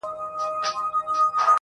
ستا باڼه هم ستا د سترگو جرم پټ کړي_